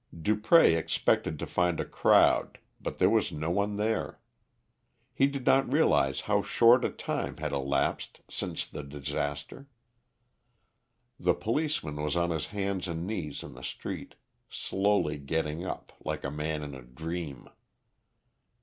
Dupré expected to find a crowd, but there was no one there. He did not realise how short a time had elapsed since the disaster. The policeman was on his hands and knees in the street, slowly getting up, like a man in a dream.